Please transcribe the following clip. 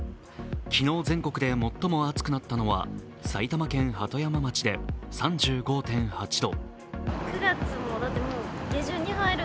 昨日全国で最も暑くなったのは埼玉県鳩山町で３５．８度。